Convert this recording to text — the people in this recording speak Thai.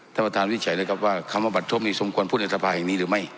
ท่านประธานวิจัยเลยครับว่าคำว่าบัตทบนี้สมควรพูดในสภาแห่งนี้หรือไม่